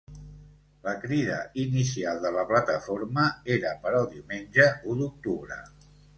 La crida inicial de la plataforma era per al diumenge u d’octubre.